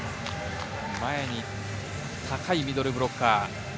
前に高いミドルブロッカー。